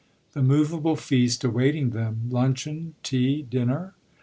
The movable feast awaiting them luncheon, tea, dinner?